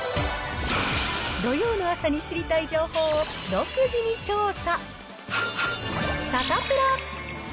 土曜の朝に知りたい情報を、独自に調査。